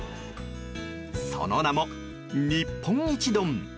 その名も日本一丼。